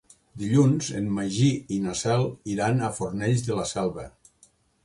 Dilluns en Magí i na Cel iran a Fornells de la Selva.